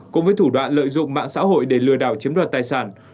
cũng với thủ đoạn lợi dụng mạng xã hội để lừa đảo chiếm đoạt tài sản